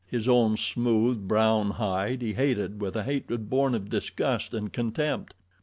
His own smooth, brown hide he hated with a hatred born of disgust and contempt.